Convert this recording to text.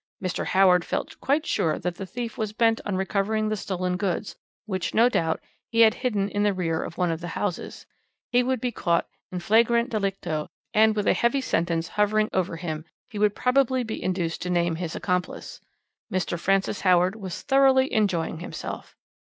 Mr. Howard felt quite sure that the thief was bent on recovering the stolen goods, which, no doubt, he had hidden in the rear of one of the houses. He would be caught in flagrante delicto, and, with a heavy sentence hovering over him, he would probably be induced to name his accomplice. Mr. Francis Howard was thoroughly enjoying himself.